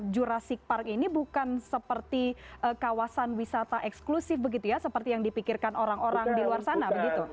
jurassic park ini bukan seperti kawasan wisata eksklusif begitu ya seperti yang dipikirkan orang orang di luar sana begitu